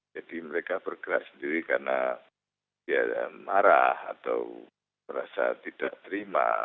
jadi mereka bergerak sendiri karena ya marah atau merasa tidak terima